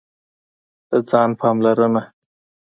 د ځان پاملرنه: